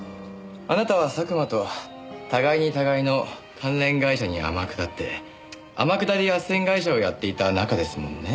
あなたは佐久間と互いに互いの関連会社に天下って天下り斡旋会社をやっていた仲ですもんね。